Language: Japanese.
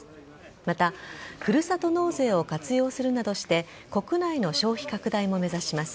また、ふるさと納税を活用するなどして国内の消費拡大も目指します。